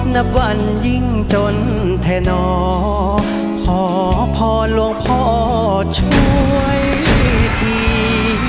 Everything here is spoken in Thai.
นับวันยิ่งจนแทนอขอพรหลวงพ่อช่วยที